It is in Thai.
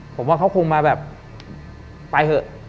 ผมว่าเขาคงมาแบบไปเถอะ